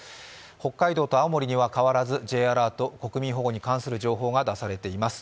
北海道と青森には変わらず、Ｊアラート、国民保護に関する情報が発表されています。